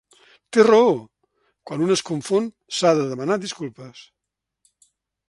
Té raó, quan un es confon s'ha de demanar disculpes.